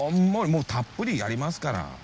もうたっぷりありますから。